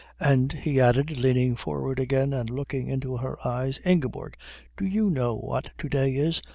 And he added, leaning forward again and looking into her eyes, "Ingeborg, do you know what to day is?"